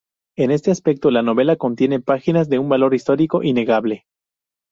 En este aspecto, la novela contiene páginas de un valor histórico innegable".